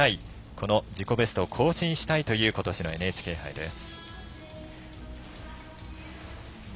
この自己ベストを更新したいということしのＮＨＫ杯です。